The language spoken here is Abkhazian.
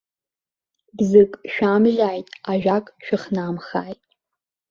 Бзык шәамжьааит, ажәак шәыхнамхааит!